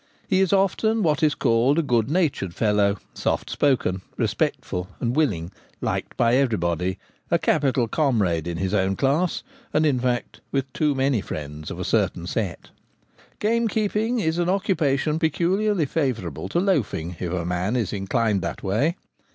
He is often what is called a good natured fellow — soft spoken, respectful, and willing ; liked by everybody ; a capital comrade in his own class, and, in fact, with too many friends of a certain set. Gamekeeping is an occupation peculiarly favour able to loafing if a man is inclined that way.